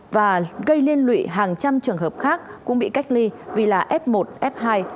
và gây liên lụy hàng trăm trường hợp khác cũng bị cách ly vì là f một f hai